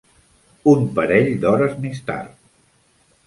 Un parell d'hores més tard.